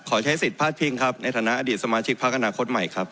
ขอใช้ศิษฐ์ผ้าคิกในฐานะอดีตสมาชิกภักรรณาข้นไหมครับ